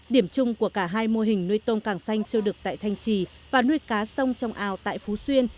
điểm chung của cả hai mô hình nuôi tôm càng xanh chưa được tại thanh trì và nuôi cá sông trong ao tại phú xuyên